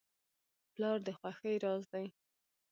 پلار د خوښۍ راز دی.